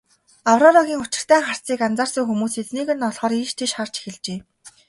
Аврорагийн учиртай харцыг анзаарсан хүмүүс эзнийг нь олохоор ийш тийш харж эхэлжээ.